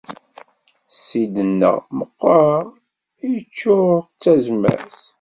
Ssid-nneɣ meqqer, iččur d tazmert.